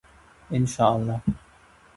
انشاءالله.